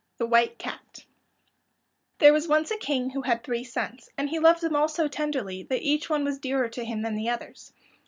THE WHITE CAT There was once a king who had three sons, and he loved them all so tenderly that each one was dearer to him than the others.